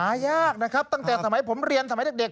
หายากนะครับตั้งแต่สมัยผมเรียนสมัยเด็ก